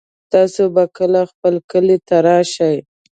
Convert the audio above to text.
تاسو به کله خپل کلي ته راشئ